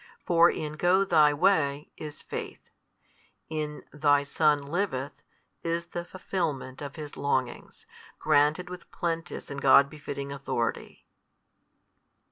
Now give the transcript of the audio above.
For in Go thy way is Faith: in thy son liveth is the fulfilment of his longings, granted with plenteous and God befitting Authority.